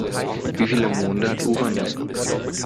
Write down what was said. Wie viele Monde hat Uranus?